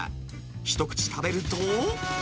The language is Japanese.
一口食べると。